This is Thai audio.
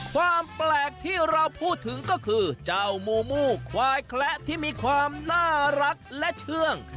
ความแปลกที่เราพูดถึงก็คือเจ้ามูมูควายแคละที่มีความน่ารักและเชื่อง